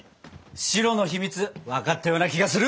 白の秘密分かったような気がする！